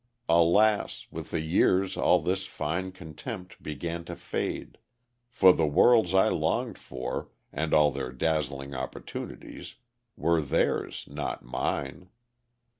Alas, with the years all this fine contempt began to fade; for the worlds I longed for, and all their dazzling opportunities, were theirs not mine....